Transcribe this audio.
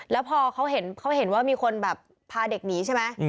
แล้วพอเขาเห็นเขาเห็นว่ามีคนแบบพาเด็กหนีใช่ไหม